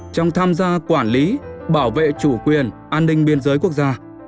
trong tham gia quản lý bảo vệ chủ quyền an ninh biên giới quốc gia